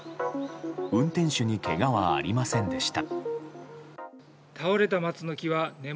運転手にけがはありませんでした。